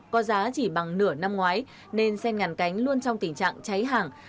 có giá chỉ bằng nửa năm ngoái nên sen ngàn cánh luôn trong tình trạng cháy hàng